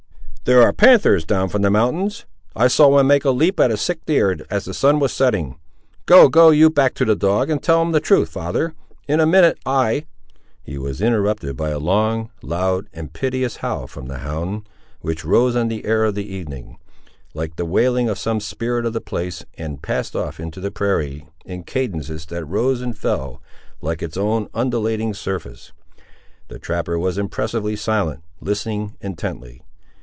"There are panthers down from the mountains; I saw one make a leap at a sick deer, as the sun was setting. Go; go you back to the dog, and tell him the truth, father; in a minute, I—" He was interrupted by a long, loud, and piteous howl from the hound, which rose on the air of the evening, like the wailing of some spirit of the place, and passed off into the prairie, in cadences that rose and fell, like its own undulating surface. The trapper was impressively silent, listening intently.